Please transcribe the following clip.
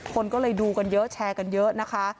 คนก็เลยดูกันเยอะแชร์กันเยอะนะคะ